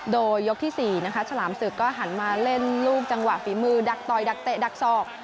โดยยกที่๔นะคะฉลามศึกก็หันมาเล่นลูกจังหวะฝีมือดักต่อยดักเตะดักศอก